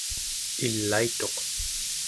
ilaituq